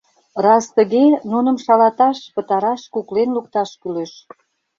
Раз тыге, нуным шалаташ, пытараш, куклен лукташ кӱлеш.